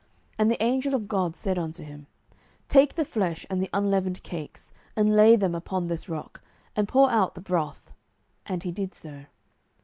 07:006:020 And the angel of God said unto him, Take the flesh and the unleavened cakes, and lay them upon this rock, and pour out the broth. And he did so.